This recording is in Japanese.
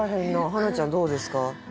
花ちゃんどうですか？